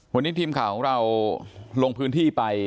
วันนี้ทีมข่าวของเราลงพื้นที่ไป